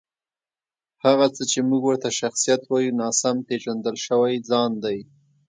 هغه څه چې موږ ورته شخصیت وایو، ناسم پېژندل شوی ځان دی.